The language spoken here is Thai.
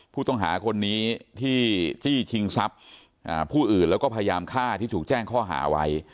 ผู้ต้องหาคนนี้ที่จี้ชิงทรัพย์ผู้อื่นแล้วก็พยายามฆ่าที่ถูกแจ้งข้อหาไว้